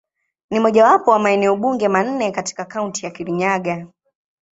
Ni mojawapo wa maeneo bunge manne katika Kaunti ya Kirinyaga.